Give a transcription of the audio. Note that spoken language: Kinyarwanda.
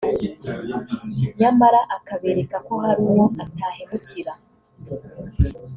nyamara akabereka ko hari uwo atahemukira